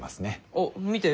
あっ見て！